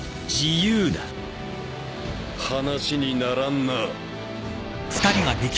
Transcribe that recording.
話にならんな。